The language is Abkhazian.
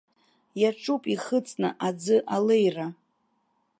Иаҿуп ихыҵны аӡы алеира.